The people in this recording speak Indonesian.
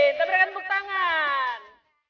kita berikan tepuk tangan